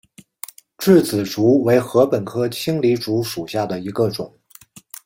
稚子竹为禾本科青篱竹属下的一个种。